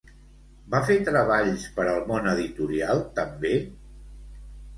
Va fer treballs per al món editorial, també?